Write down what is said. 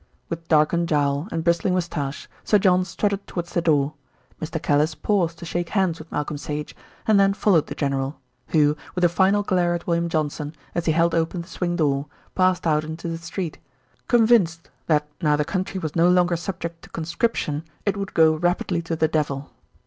With darkened jowl and bristling moustache Sir John strutted towards the door. Mr. Callice paused to shake hands with Malcolm Sage, and then followed the general, who, with a final glare at William Johnson, as he held open the swing door, passed out into the street, convinced that now the country was no longer subject to conscription it would go rapidly to the devil.